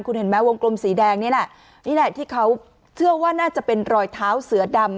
คุณเห็นไหมวงกลมสีแดงนี่แหละนี่แหละที่เขาเชื่อว่าน่าจะเป็นรอยเท้าเสือดำ